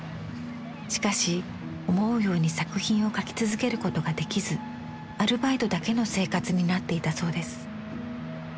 しかし思うように作品を描き続けることができずアルバイトだけの生活になっていたそうです。